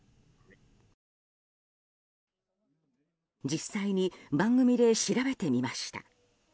実際に番組で調べてみました。